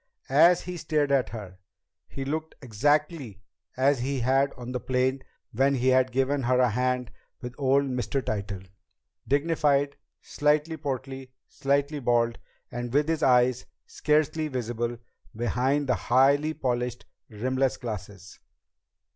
As he stared at her, he looked exactly as he had on the plane when he had given her a hand with old Mr. Tytell dignified, slightly portly, slightly bald, and with his eyes scarcely visible behind the highly polished, rimless glasses.